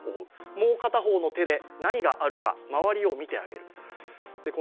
もう片方の手で、何があるか周りを見てあげる。